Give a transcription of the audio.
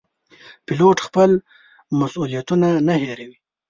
پیلوټ خپل مسوولیتونه نه هېروي.